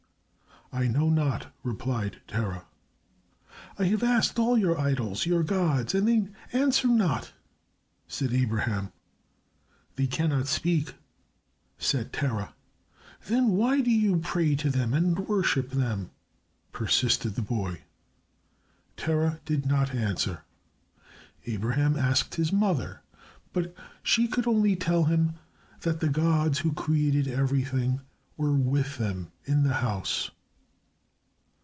"I know not," replied Terah. "I have asked all your idols, your gods, and they answer not," said Abraham. "They cannot speak," said Terah. "Then why do you pray to them and worship them?" persisted the boy. Terah did not answer. Abraham asked his mother, but she could only tell him that the gods who created everything were with them in the house.